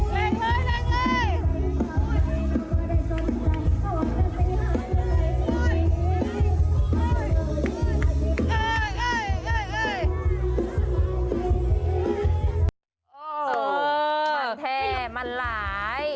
อ๋อมันแท้มันหลาย